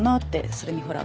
それにほら